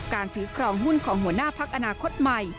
การถือครองหุ้นของหัวหน้าพักอนาคตใหม่